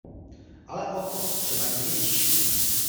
Ale o tom třeba někdy příště.